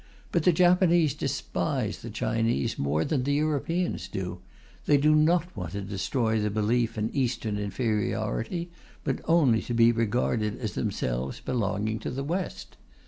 But the Japanese despise the Chinese more than the Europeans do; they do not want to destroy the belief in Eastern inferiority, but only to be regarded as themselves belonging to the West.